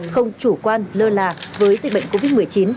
không chủ quan lơ là với dịch bệnh covid một mươi chín